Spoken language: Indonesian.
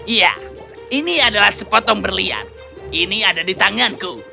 iya ini adalah sepotong berlian ini ada di tanganku